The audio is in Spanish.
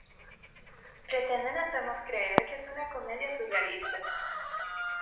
Pretenden hacernos creer que es una comedia surrealista.